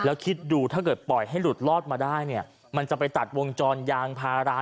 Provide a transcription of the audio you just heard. แล้วคิดดูถ้าเกิดปล่อยให้หลุดรอดมาได้เนี่ยมันจะไปตัดวงจรยางพารา